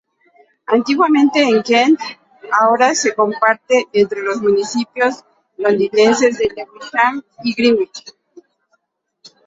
Antiguamente en Kent, ahora se comparte entre los municipios londinenses de Lewisham y Greenwich.